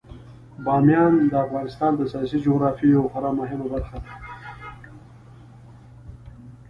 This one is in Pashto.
بامیان د افغانستان د سیاسي جغرافیې یوه خورا مهمه برخه ده.